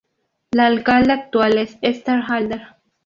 La alcalde actual es Esther Alder.